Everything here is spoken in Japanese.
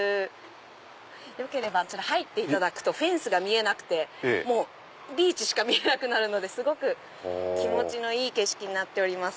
よければこちら入っていただくとフェンスが見えなくてビーチしか見えなくなるのですごく気持ちのいい景色になっております。